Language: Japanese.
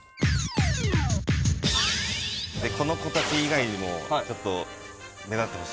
この子たち以外にもちょっと目立ってほしい子。